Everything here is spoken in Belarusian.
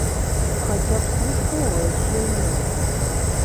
Хаця б службовае жыллё.